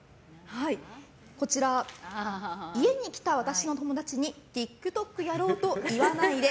家に来た私の友達にＴｉｋＴｏｋやろうと言わないで！